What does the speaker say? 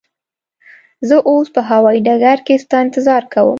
زه اوس به هوایی ډګر کی ستا انتظار کوم.